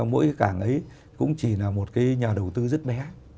mỗi cái cảng ấy cũng chỉ là một cái nhà đầu tư rất bé